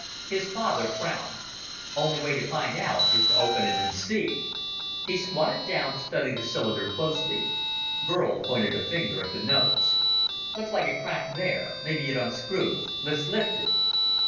His father frowned. "Only way to find out is to open it and see." He squatted down to study the cylinder closer. Burl pointed a finger at the nose. "Looks like a crack there. Maybe it unscrews. Let's lift it."